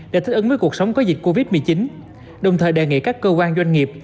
để thích ứng với cuộc sống có dịch covid một mươi chín đồng thời đề nghị các cơ quan doanh nghiệp